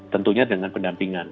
tentunya dengan pendampingan